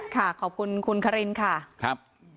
ค่ะขอบคุณคุณคารินค่ะ